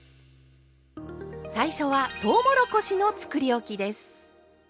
最初はとうもろこしのつくりおきです。